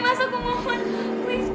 mas aku mau mandas